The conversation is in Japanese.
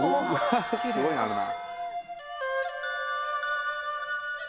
すごいのあるな。